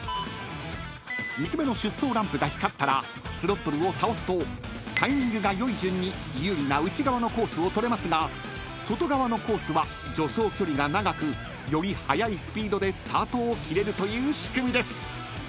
［３つ目の出走ランプが光ったらスロットルを倒すとタイミングが良い順に有利な内側のコースを取れますが外側のコースは助走距離が長くより早いスピードでスタートを切れるという仕組みです］